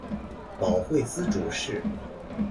保惠司主事。